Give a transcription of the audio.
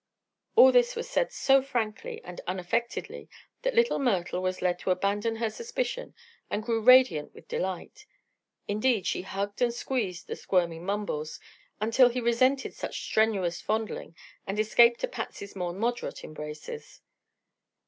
All this was said so frankly and unaffectedly that little Myrtle was led to abandon her suspicion and grew radiant with delight. Indeed, she hugged and squeezed the squirming Mumbles until he resented such strenuous fondling and escaped to Patsy's more moderate embraces.